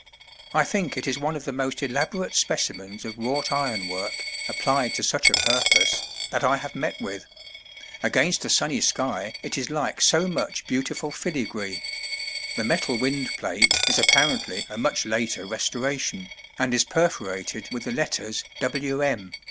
I think it is one of the most elaborate specimens of wrought ironwork, applied to such a purpose, that I have met with; against a sunny sky it is like so much beautiful filigree the metal wind plate is apparently a much later restoration, and is perforated with the letters "W. M."